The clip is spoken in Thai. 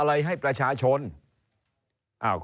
เริ่มตั้งแต่หาเสียงสมัครลง